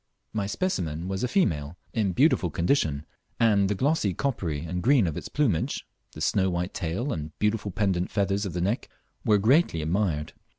My specimen was a female in beautiful condition, and the glassy coppery and green of its plumage, the snow white tail and beautiful pendent feathers of the neck, were greatly admired.